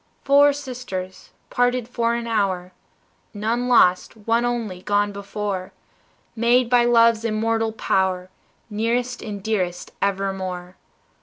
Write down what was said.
Four sisters, parted for an hour, None lost, one only gone before, Made by love's immortal power, Nearest and dearest evermore.